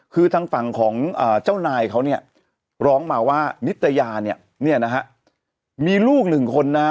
คือทางฝั่งของเจ้านายเขาเนี่ยร้องมาว่านิตยาเนี่ยนะฮะมีลูกหนึ่งคนนะ